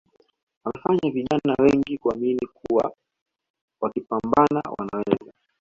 amefanya vijana wengi kuamini kuwa wakipambana Wanaweza